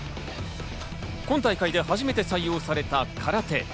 今大会で初めて採用された空手。